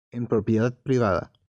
En propiedad privada.